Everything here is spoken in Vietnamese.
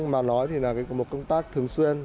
mà nói là một công tác thường xuyên